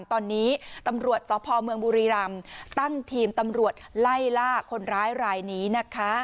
ตอนนี้ตำรวจสพเมืองบุรีรำตั้งทีมตำรวจไล่ล่าคนร้ายรายนี้นะคะ